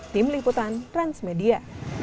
tim liputan transmedia